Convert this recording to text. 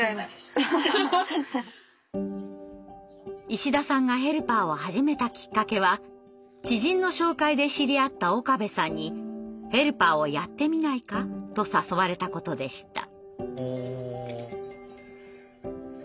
石田さんがヘルパーを始めたきっかけは知人の紹介で知り合った岡部さんに「ヘルパーをやってみないか」と誘われたことでした。